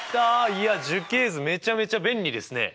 いや樹形図めちゃめちゃ便利ですね！